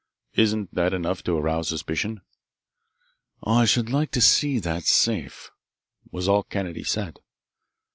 Isn't that enough to arouse suspicion?" "I should like to see that safe," was all Kennedy said.